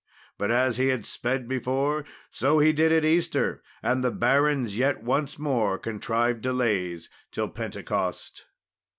But as he had sped before so he did at Easter, and the barons yet once more contrived delays till Pentecost.